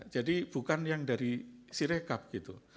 jadi bukan yang dari si rekap gitu